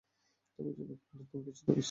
তবে জৈব খাবারের দাম কিছুটা বেশি।